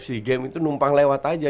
sea games itu numpang lewat aja